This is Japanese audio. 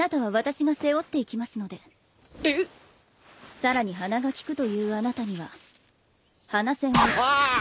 さらに鼻が利くというあなたには鼻栓を。